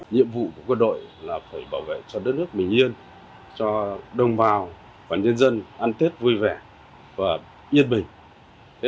nhiệm vụ của quân đội là phải bảo vệ cho đất nước bình yên cho đồng bào và nhân dân ăn tết vui vẻ và yên bình